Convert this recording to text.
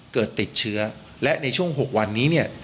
เกิดติดไว้เชื้อและในช่วง๖วันนี้